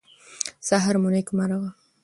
سهار مو نیکمرغه.